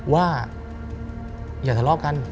ว่าอย่าทะเลาะกัน